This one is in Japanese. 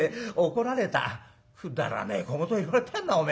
「くだらねえ小言言われてんなお前は」。